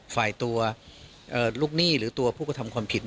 ฝ่ายตัวลูกหนี้หรือตัวผู้กระทำความผิด